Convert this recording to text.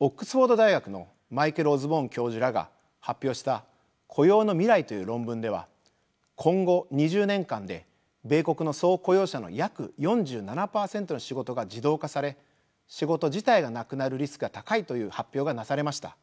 オックスフォード大学のマイケル・オズボーン教授らが発表した「雇用の未来」という論文では今後２０年間で米国の総雇用者の約４７％の仕事が自動化され仕事自体がなくなるリスクが高いという発表がなされました。